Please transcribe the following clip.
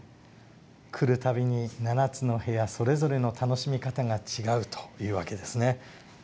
来るたびに７つの部屋それぞれの楽しみ方が違うというわけですね。